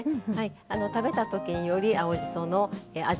食べた時により青じその味